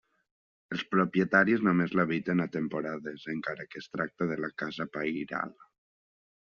Els propietaris només l'habiten a temporades encara que es tracta de la casa pairal.